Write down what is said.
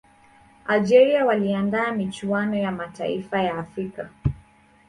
algeria waliandaa michuano ya mataifa ya afrika